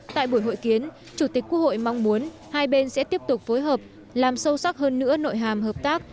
tại buổi hội kiến chủ tịch quốc hội mong muốn hai bên sẽ tiếp tục phối hợp làm sâu sắc hơn nữa nội hàm hợp tác